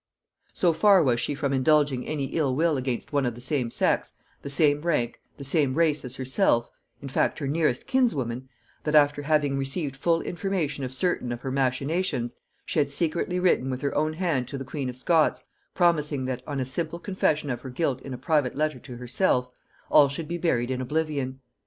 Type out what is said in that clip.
So far was she from indulging any ill will against one of the same sex, the same rank, the same race as herself, in fact her nearest kinswoman, that after having received full information of certain of her machinations, she had secretly written with her own hand to the queen of Scots, promising that, on a simple confession of her guilt in a private letter to herself, all should be buried in oblivion.